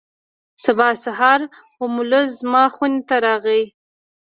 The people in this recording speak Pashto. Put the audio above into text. سبا سهار هولمز زما خونې ته راغی.